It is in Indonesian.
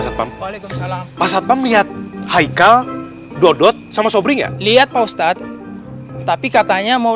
tapi toko nya belum mau tutup kan